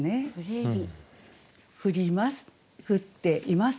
「降ります」